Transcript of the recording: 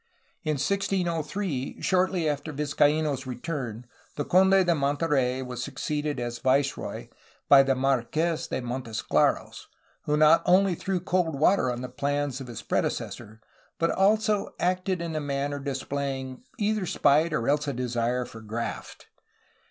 In 1603, shortly after Vizcaino's return, the Conde de Monterey was succeeded as viceroy by the Marques de Montesclaros, who not only threw cold water on the plans of his predecessor but also acted in a manner displaying either spite or else a desire for graft.